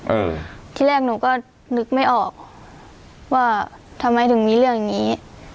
เออที่แรกหนูก็นึกไม่ออกว่าทำไมถึงมีเรื่องอย่างงี้